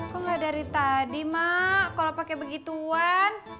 kok nggak dari tadi mak kalau pakai begituan